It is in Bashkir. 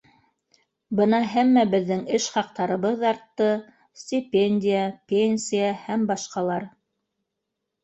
Бына һәммәбеҙҙең эш хаҡтарыбыҙ артты, стипендия, пенсия Һәм башҡалар